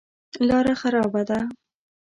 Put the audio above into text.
لاره خرابه ده.